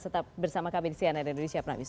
tetap bersama kami di cnn indonesia prime news